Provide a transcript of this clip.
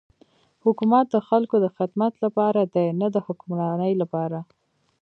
حکومت د خلکو د خدمت لپاره دی نه د حکمرانی لپاره.